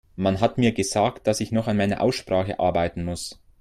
Man hat mir gesagt, dass ich noch an meiner Aussprache arbeiten muss.